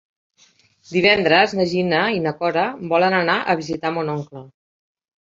Divendres na Gina i na Cora volen anar a visitar mon oncle.